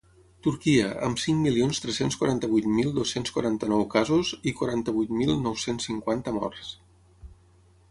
Turquia, amb cinc milions tres-cents quaranta-vuit mil dos-cents quaranta-nou casos i quaranta-vuit mil nou-cents cinquanta morts.